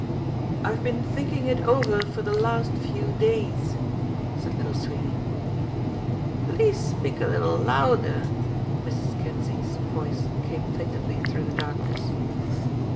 "I've been thinking it over for the last few days," said Little Sweeney. "Please speak a little louder." Mrs. Kinsey's voice came plaintively through the darkness.